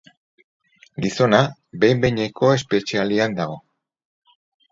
Gizona behin-behineko espetxealdian dago.